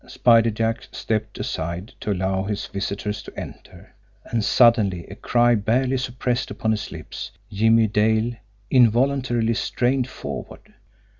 Spider Jack stepped aside to allow his visitors to enter and suddenly, a cry barely suppressed upon his lips, Jimmie Dale involuntarily strained forward.